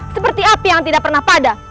seperti api yang tidak pernah pada